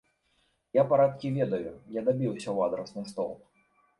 Я парадкі ведаю, я дабіўся ў адрасны стол.